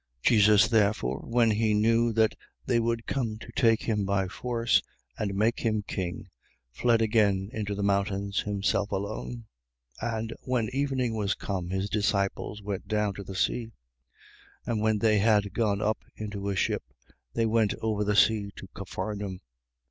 6:15. Jesus therefore, when he knew that they would come to take him by force and make him king, fled again into the mountains, himself alone. 6:16. And when evening was come, his disciples went down to the sea. 6:17. And when they had gone up into a ship, they went over the sea to Capharnaum.